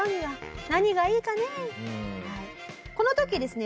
この時ですね